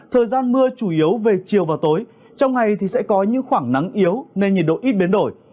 thời gian mưa chủ yếu về chiều và tối trong ngày thì sẽ có những khoảng nắng yếu nên nhiệt độ ít biến đổi